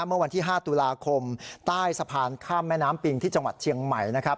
เมื่อวันที่๕ตุลาคมใต้สะพานข้ามแม่น้ำปิงที่จังหวัดเชียงใหม่นะครับ